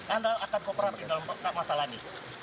anda akan kooperatif dalam masalah ini